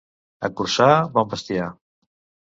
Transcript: A Corçà, bon bestiar.